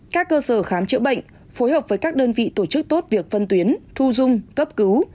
các cơ sở khám chữa bệnh phối hợp với các đơn vị tổ chức tốt việc phân tuyến thu dung cấp cứu